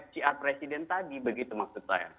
itu diharapkan dalam fcr presiden tadi begitu maksud saya